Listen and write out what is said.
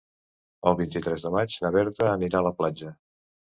El vint-i-tres de maig na Berta anirà a la platja.